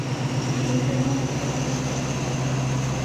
— Конден ом керт.